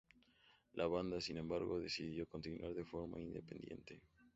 La banda, sin embargo, decidió continuar de forma independiente.